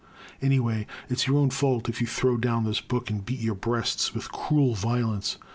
Anyway, it *s your own fault if you throw down this book and beat your breasts with cruel vio lence.